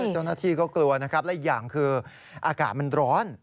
เจ้าหน้าที่ก็กลัวนะครับและอีกอย่างคืออากาศมันร้อน